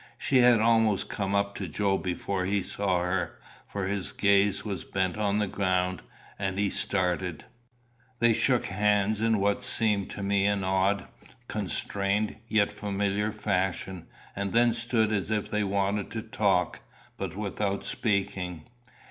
She had almost come up to Joe before he saw her, for his gaze was bent on the ground, and he started. They shook hands in what seemed to me an odd, constrained, yet familiar fashion, and then stood as if they wanted to talk, but without speaking.